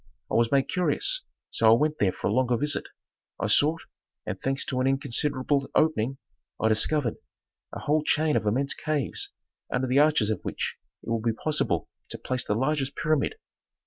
I was made curious, so I went there for a longer visit. I sought, and, thanks to an inconsiderable opening, I discovered a whole chain of immense caves under the arches of which it would be possible to place the largest pyramid.